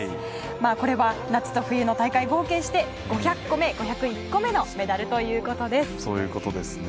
これは夏と冬の大会を合計して５００個目、５０１個目のメダルということです。